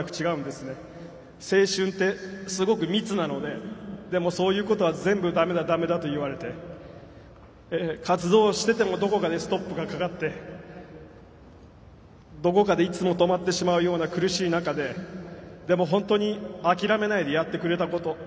青春ってすごく密なのででもそういうことは全部駄目だ駄目だと言われて活動しててもどこかでストップがかかってどこかでいつも止まってしまうような苦しい中ででも本当に諦めないでやってくれたこと。